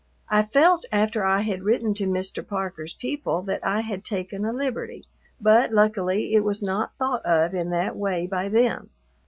I felt after I had written to Mr. Parker's people that I had taken a liberty, but luckily it was not thought of in that way by them.